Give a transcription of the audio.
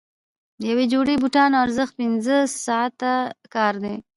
د یوې جوړې بوټانو ارزښت پنځه ساعته کار دی.